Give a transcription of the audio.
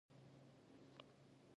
زما ساړه کېږي